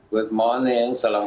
good morning assalamualaikum